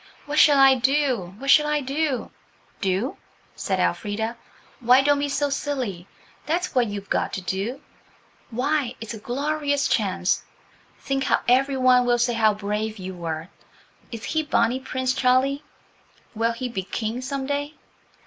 What shall I do? What shall I do?" "Do?" said Elfrida. "Why don't be so silly. That's what you've got to do. Why, it's a glorious chance. Think how every one will say how brave you were. Is he Bonnie Prince Charlie? Will he be King some day?"